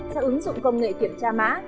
sẽ ứng dụng công nghệ kiểm tra má